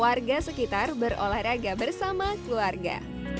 warga sekitar berolahraga bersama keluarga